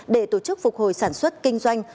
để tổ chức phục hồi sản xuất kinh doanh